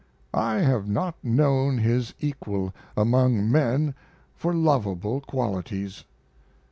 I have not known his equal among men for lovable qualities.